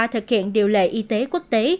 thực hiện điều lệ y tế quốc tế